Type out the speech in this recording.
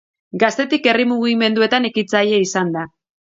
Gaztetik herri mugimenduetan ekintzaile izan da.